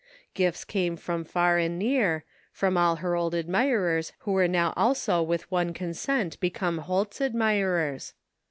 Gifts came from far and near, from all her old admirers who were now also with one cxm sent become Holt's admirers.